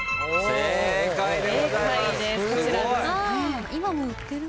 正解です。